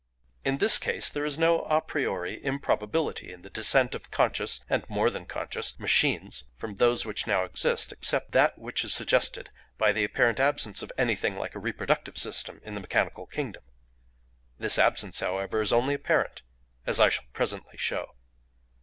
In this case there is no à priori improbability in the descent of conscious (and more than conscious) machines from those which now exist, except that which is suggested by the apparent absence of anything like a reproductive system in the mechanical kingdom. This absence however is only apparent, as I shall presently show.